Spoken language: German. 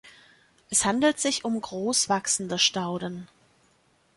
Es handelt sich um groß wachsende Stauden.